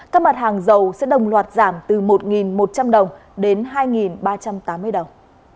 các mặt hàng dầu sẽ đồng loạt giảm từ một một trăm linh đồng đến hai ba trăm tám mươi đồng